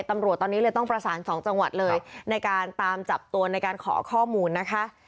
ตำรวจตอนนี้เลยต้องประสานสองจังหวัดเลยในการตามจับตัวในการขอข้อมูลนะคะ